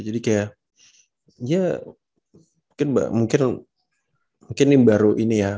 jadi kayak ya mungkin ini baru ini ya